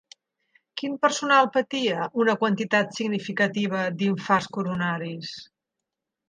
Quin personal patia una quantitat significativa d'infarts coronaris?